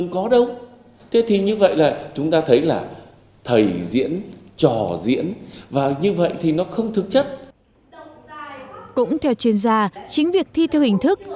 chính việc thi theo hình thức